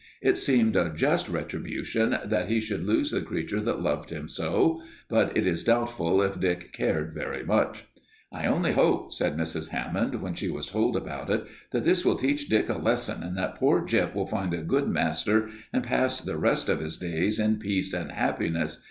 It seemed a just retribution that he should lose the creature that loved him so, but it is doubtful if Dick cared very much. "I only hope," said Mrs. Hammond, when she was told about it, "that this will teach Dick a lesson and that poor Gyp will find a good master and pass the rest of his days in peace and happiness.